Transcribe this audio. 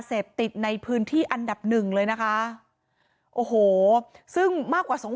เสพติดในพื้นที่อันดับหนึ่งเลยนะคะโอ้โหซึ่งมากกว่าสอง